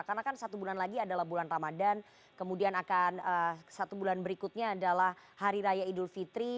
karena kan satu bulan lagi adalah bulan ramadan kemudian akan satu bulan berikutnya adalah hari raya idul fitri